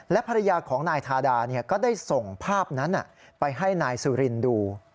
ภรรยาของนายทาดาก็ได้ส่งภาพนั้นไปให้นายสุรินดู